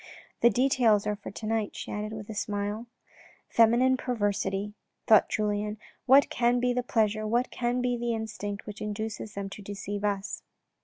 " The details are for to night," she added with a smile. " Feminine perversity," thought Julien, " What can be the pleasure, what can be the instinct which induces them to deceive us."